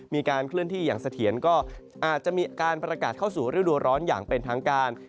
มีการเคลื่อนที่อย่างเสถียรก็อาจจะมีการประกาศเข้าสู่ฤดูร้อนอย่างเป็นทางการ